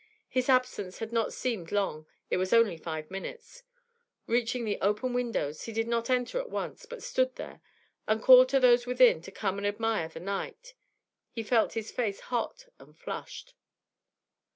His absence had not seemed long: it was only of five minutes. Reaching the open windows, he did not enter at once, but stood there and called to those within to come and admire the night; he felt his face hot and flushed.